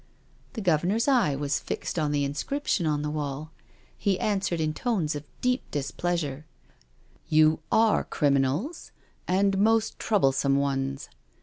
The Governor's eye was fixed on the inscription on the wall. He answered in tones of deep displeasure: " You are criminals, and most troublesome ones.